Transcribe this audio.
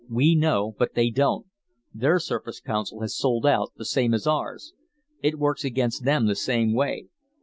"We know, but they don't. Their Surface Council has sold out, the same as ours. It works against them the same way.